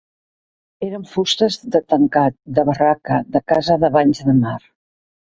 Eren fustes de tancat, de barraca, de casa de banys de mar